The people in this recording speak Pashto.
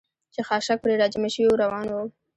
چې خاشاک پرې را جمع شوي و، روان ووم.